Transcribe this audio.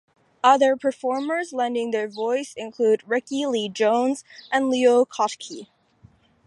Other performers lending their voice include Rickie Lee Jones and Leo Kottke.